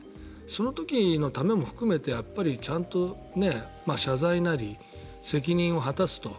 その時のためも含めてちゃんと謝罪なり責任を果たすと。